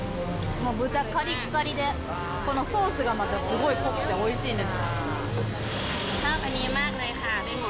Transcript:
豚、かりっかりで、このソースがまたすごい濃くておいしいです。